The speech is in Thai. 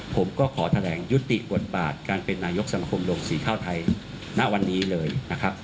ผมก็ขอแถลงยุติบทบาทการเป็นนายกสังคมลงสีข้าวไทยณวันนี้เลยนะครับ